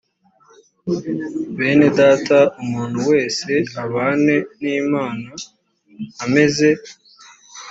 bene data umuntu wese abane n imana ameze